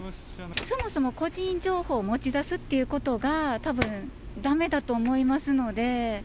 そもそも個人情報を持ち出すっていうことが、たぶんだめだと思いますので。